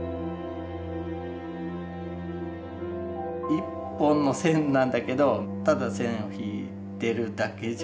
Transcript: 一本の線なんだけどただ線を引いてるだけじゃなくて。